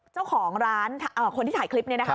เจ้าของร้านคนที่ถ่ายคลิปนี้นะคะ